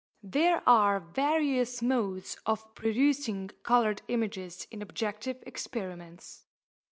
There are various modes of producing coloured images in objective experiments.